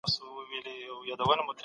د عقیدې له امله څوک نه ځورول کیدل.